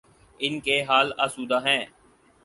ان کے حال آسودہ ہیں۔